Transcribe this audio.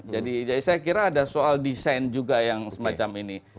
jadi saya kira ada soal design juga yang semacam ini